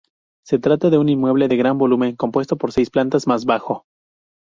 Se trata de un inmueble de gran volumen, compuesto por seis plantas más bajo.